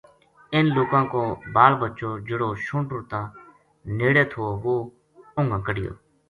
انھ لوکاں کو بال بچو جہڑو شونٹر تا نیڑے تھو وہ اُنگاں کڈھیو